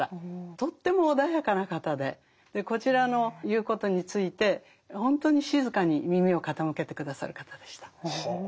とっても穏やかな方でこちらの言うことについて本当に静かに耳を傾けて下さる方でした。